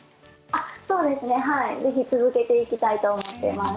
そうですね、ぜひ続けていきたいと思っています。